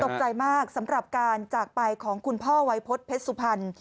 ตกใจมากสำหรับการจากไปของคุณพ่อวัยพฤษเพชรสุพรรณ